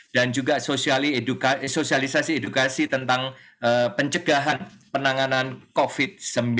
dan juga sosialisasi edukasi tentang pencegahan penanganan covid sembilan belas